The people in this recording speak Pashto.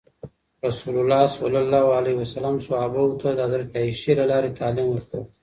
رسول الله ﷺ صحابه ته د حضرت عایشې له لارې تعلیم ورکول.